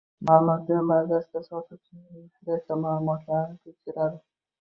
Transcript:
Ma’lumotlar bazasidan sotuvchining registratsiya ma’lumotlarini tekshiradi